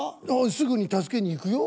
すぐに助けに行くよ。